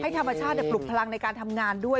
ธรรมชาติปลุกพลังในการทำงานด้วย